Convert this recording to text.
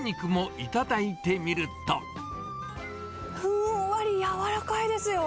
ふんわり、やわらかいですよ。